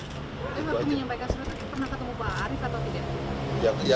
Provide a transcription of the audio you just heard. tapi waktu menyampaikan surat itu pernah ketemu pak arief atau tidak